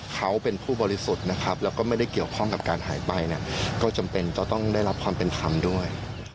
การหายไปน่ะก็จำเป็นต้องได้รับความเป็นธรรมด้วย